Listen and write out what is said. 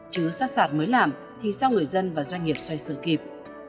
chứ sát sạt mới làm thì sao người dân và doanh nghiệp xoay sửa kịp